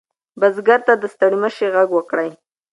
بزګر ته د ستړي مشي غږ وکړئ.